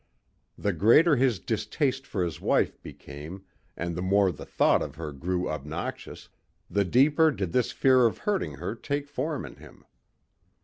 The greater his distaste for his wife became and the more the thought of her grew obnoxious, the deeper did this fear of hurting her take form in him.